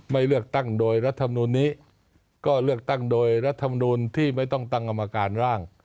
ไม่เลือกตั้งโดยรัฐมนุนนี้ก็เลือกตั้งโดยรัฐมนูลที่ไม่ต้องตั้งกรรมการร่าง